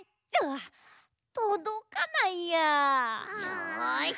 よし！